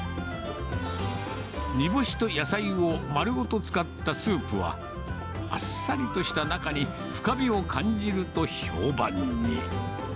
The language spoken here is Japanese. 煮干しと野菜を丸ごと使ったスープは、あっさりとした中に深みを感じると評判に。